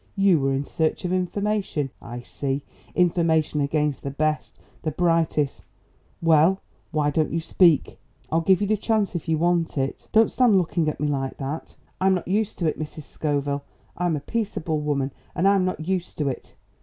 You were in search of information, I see; information against the best, the brightest Well, why don't you speak? I'll give you the chance if you want it. Don't stand looking at me like that. I'm not used to it, Mrs. Scoville. I'm a peaceable woman and I'm not used to it."